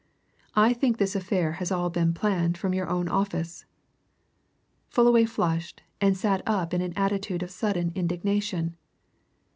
I think this affair has all been planned from your own office!" Fullaway flushed and sat up in an attitude of sudden indignation.